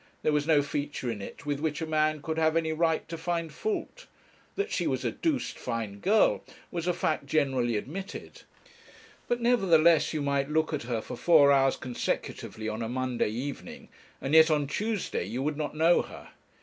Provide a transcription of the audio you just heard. There was no feature in it with which a man could have any right to find fault; that she was a 'doosed fine girl' was a fact generally admitted; but nevertheless you might look at her for four hours consecutively on a Monday evening, and yet on Tuesday you would not know her.